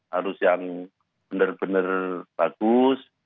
harus yang benar benar bagus